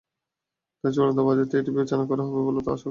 তাই চূড়ান্ত বাজেটে এটি বিবেচনা করা হবে বলে আমরা প্রত্যাশা করছি।